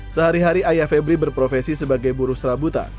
sehari hari ayah febri berprofesi sebagai buruh serabutan